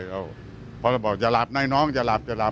เพราะเราบอกอย่าหลับในน้องอย่าหลับจะหลับ